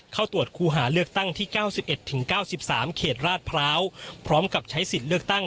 เข้าตรวจคู่หาเลือกตั้งที่๙๑๙๓เขตราชพร้าวพร้อมกับใช้สิทธิ์เลือกตั้ง